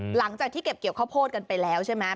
หลังจากที่เก็บเกี่ยวข้าวโพดกันไปแล้วใช่ไหม